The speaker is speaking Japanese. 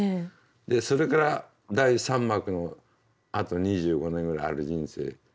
でそれから第三幕のあと２５年ぐらいある人生。